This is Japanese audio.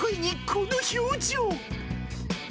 この表情。